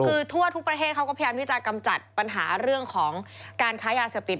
คือทั่วทุกประเทศเขาก็พยายามที่จะกำจัดปัญหาเรื่องของการค้ายาเสพติด